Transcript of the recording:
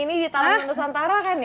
ini di talaman nusantara kan ya